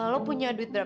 lo punya duit berapa